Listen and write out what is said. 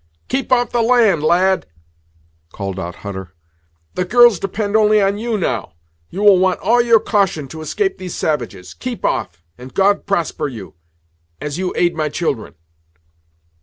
"Keep off the land, lad," called out Hutter; "the girls depend only on you, now; you will want all your caution to escape these savages. Keep off, and God prosper you, as you aid my children!"